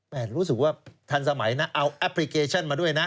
แต่รู้สึกว่าทันสมัยนะเอาแอปพลิเคชันมาด้วยนะ